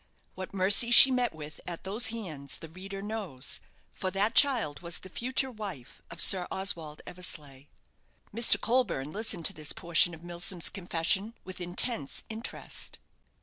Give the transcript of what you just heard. What mercy she met with at those hands the reader knows, for that child was the future wife of Sir Oswald Eversleigh. Mr. Colburne listened to this portion of Milsom's confession with intense interest.